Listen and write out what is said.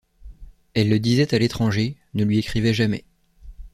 Elle le disait à l’étranger, ne lui écrivait jamais.